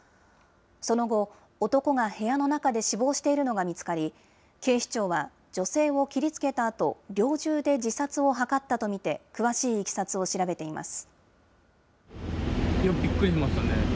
その後、男が部屋の中で死亡しているのが見つかり、警視庁は、女性を切りつけたあと、猟銃で自殺を図ったと見て、詳しいいきさつを調べています。